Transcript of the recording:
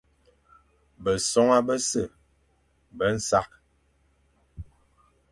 Besoña bese be nsakh,